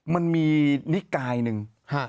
มันมีนิกายหนึ่ง